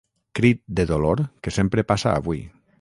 Crit de dolor que sempre passa avui.